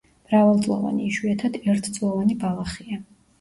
მრავალწლოვანი, იშვიათად ერთწლოვანი ბალახია.